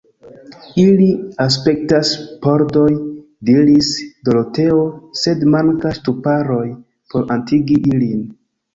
Ili aspektas pordoj, diris Doroteo; sed mankas ŝtuparoj por atingi ilin.